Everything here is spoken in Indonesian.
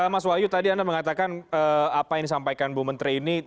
mas wahyu tadi anda mengatakan apa yang disampaikan bu menteri ini